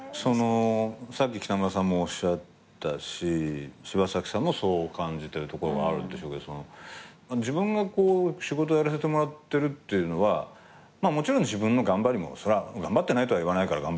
さっき北村さんもおっしゃったし柴咲さんもそう感じてるところあるんでしょうけど自分が仕事やらせてもらってるっていうのはもちろん自分の頑張りもそりゃ頑張ってないとは言わないから頑張ってるし。